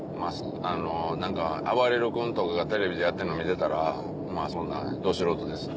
あの何かあばれる君とかがテレビでやってるの見てたらそんなど素人です。